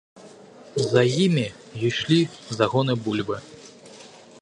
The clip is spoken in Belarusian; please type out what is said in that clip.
За імі ішлі загоны бульбы.